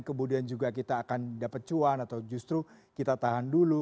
kemudian juga kita akan dapat cuan atau justru kita tahan dulu